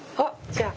じゃあ。